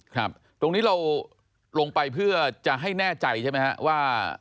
ครับตรงนี้เราลงไปเพื่อจะให้แน่ใจใช่ไหมฮะว่า